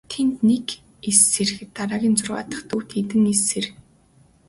Тэнд нэг эс сэрэхэд дараагийн зургаа дахь төвд хэдэн эс сэрнэ.